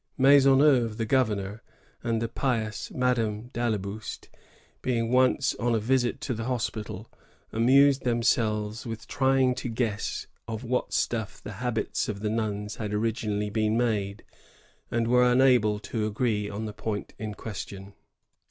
Maisonneuve the governor, and the pious Madame d'Ailleboust, being once on a visit to the hospital, amused themselves with trjdng to guess of what stuff the habits of the nuns had originally been made, and were unable to agree on the point in question.